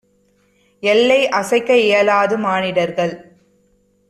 எள்ளை அசைக்க இயலாது. மானிடர்கள்